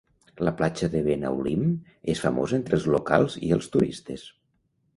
La platja de Benaulim és famosa entre els locals i els turistes.